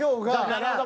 なるほど。